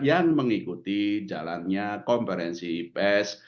yang mengikuti jalannya konferensi pes